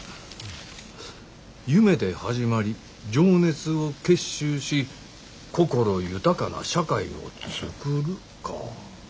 「夢で始まり情熱を結集しこころ豊かな社会をつくる」か。